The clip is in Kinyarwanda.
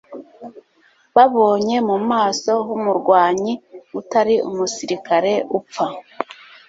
Babonye mu maso h'umurwanyi utari umusirikare upfa,